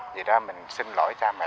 vì đó mình xin lỗi cha mẹ